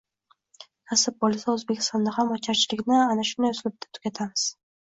Nasib bo‘lsa, O’zbekistonda ham ocharchilikni ana shunday uslubda tugatamiz.